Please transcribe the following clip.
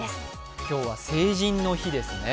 今日は成人の日ですね。